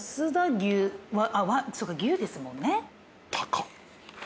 そっか牛ですもんね。